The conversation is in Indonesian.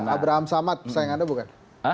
abraham samad pesaing anda bukan